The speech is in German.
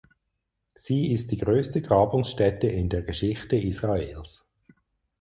Sie ist die größte Grabungsstätte in der Geschichte Israels.